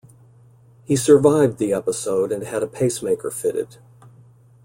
He survived the episode and had a pacemaker fitted.